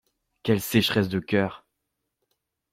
Quelle sécheresse de cœur!